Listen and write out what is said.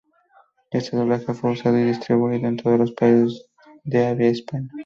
Este doblaje fue usado y distribuido en todos los países de habla hispana.